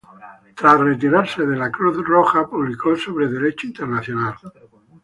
Tras retirarse de la Cruz Roja, publicó sobre derecho internacional.